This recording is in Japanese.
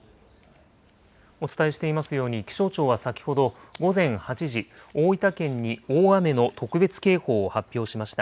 お伝えしていますように、気象庁は先ほど午前８時、大分県に大雨の特別警報を発表しました。